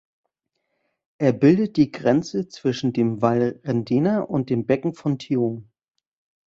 Er bildet die Grenze zwischen dem Val Rendena und dem Becken von Tione.